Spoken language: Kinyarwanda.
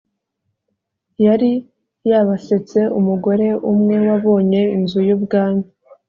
yari yabasetse umugore umwe wabonye inzu y ubwami